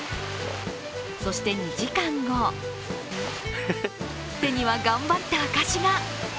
そして２時間後、手には頑張った証しが。